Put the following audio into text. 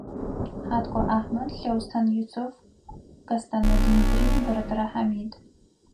Хьаткъо Ахьмэд, Лъэустэн Юсыф, Кэстэнэ Дмитрий, Бэрэтэрэ Хьамид.